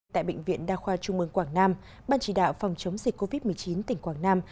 tại bệnh viện đa khoa trung mương quảng nam ban chỉ đạo phòng chống dịch covid một mươi chín tỉnh quảng nam